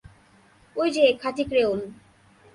ঐ যে খাঁটি ক্রেওল।